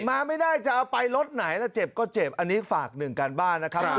มาไม่ได้จะเอาไปรถไหนล่ะเจ็บก็เจ็บอันนี้ฝากหนึ่งการบ้านนะครับ